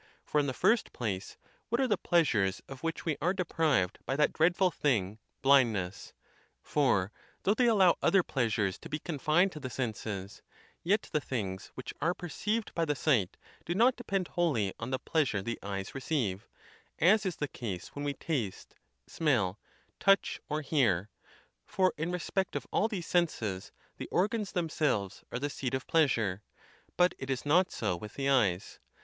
For, in the first place, what are the pleasures of which we are deprived by that dreadful thing, blindness? For though they allow other pleasures to be confined to the senses, yet the things which are perceived by the sight do not depend wholly on the pleasure the eyes receive; as is the case when we taste, smell, touch, or hear; for, in respect of all these senses, the organs themselves are the seat of pleasure; but it is not so with the eyes.